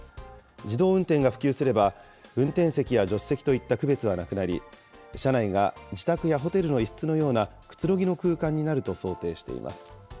自動運転が普及すれば、運転席や助手席といった区別はなくなり、車内は自宅やホテルの一室のような、くつろぎの空間になると想定しています。